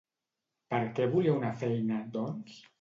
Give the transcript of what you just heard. Per què volia una feina, doncs?